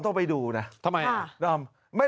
ทำไม